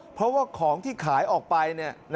เพราะว่าของที่ขายออกไป